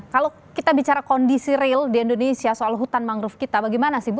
kalau kita bicara kondisi real di indonesia soal hutan mangrove kita bagaimana sih bu